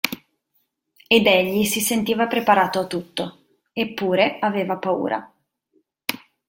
Ed egli si sentiva preparato a tutto, eppure aveva paura.